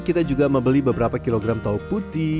kita juga membeli beberapa kilogram tau putih